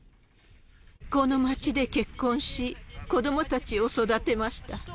この町で結婚し、子どもたちを育てました。